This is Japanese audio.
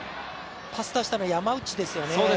パスを出したのは、山内ですよね。